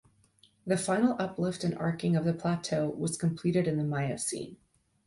The final uplift and arching of the plateau was completed in the Miocene.